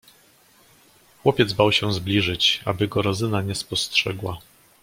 "Chłopiec bał się zbliżyć, aby go Rozyna nie spostrzegła."